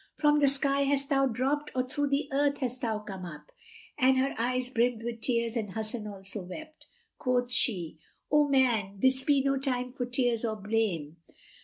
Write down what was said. From the sky hast thou dropped or through the earth hast thou come up?" And her eyes brimmed with tears and Hasan also wept. Quoth she, "O man, this be no time for tears or blame.